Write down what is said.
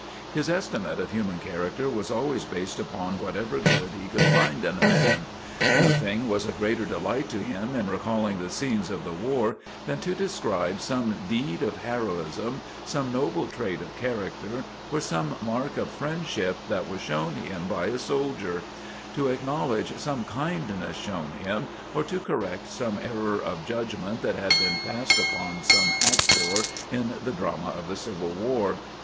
His estimate of human character was always based upon whatever good he could find in a man. Nothing was a greater delight to him in recalling the scenes of the war than to describe some deed of heroism, some noble trait of character, or some mark of friendship that was shown him by a soldier; to acknowledge some kindness shown him, or to correct some error of judgment that had been passed upon some actor in the drama of the civil war.